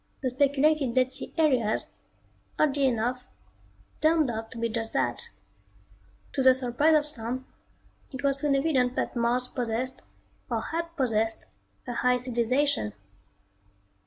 The speculated dead sea areas, oddly enough, turned out to be just that. To the surprise of some, it was soon evident that Mars possessed, or had possessed, a high civilization.